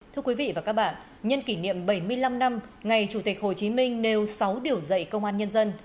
thưa quý vị và các bạn nhân kỷ niệm bảy mươi năm năm ngày chủ tịch hồ chí minh nêu sáu điều dạy công an nhân dân